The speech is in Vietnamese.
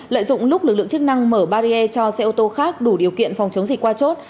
lợi dụng lúc lực lượng chức năng mở barrier cho xe ô tô khác đủ điều kiện phòng chống dịch qua chốt